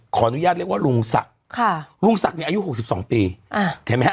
ขออนุญาตเรียกว่าลุงศักดิ์ค่ะลุงศักดิ์เนี่ยอายุ๖๒ปีเห็นไหมฮะ